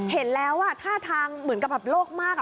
เห็นแล้วท่าทางเหมือนกับแบบโลกมาก